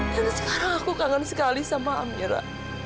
dan sekarang aku kangen sekali sama amira